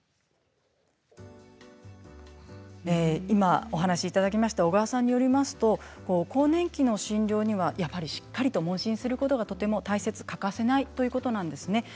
今、お話いただきました小川さんによりますと更年期の診療には、やっぱりしっかりと問診をすることが大切、欠かせないということなんですね。